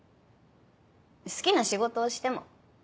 好きな仕事をしても。